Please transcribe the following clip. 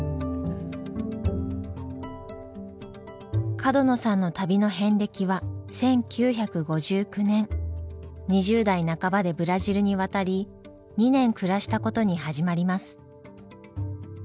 角野さんの旅の遍歴は１９５９年２０代半ばでブラジルに渡り２年暮らしたことに始まります。